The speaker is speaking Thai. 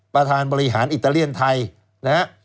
ประธานบริหารอิตาเลียนไทยนะฮะ